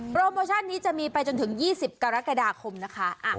โมชั่นนี้จะมีไปจนถึง๒๐กรกฎาคมนะคะ